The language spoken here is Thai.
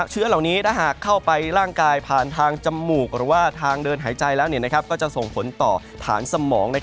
เชื้อเหล่านี้ถ้าหากเข้าไปร่างกายผ่านทางจมูกหรือว่าทางเดินหายใจแล้วก็จะส่งผลต่อฐานสมอง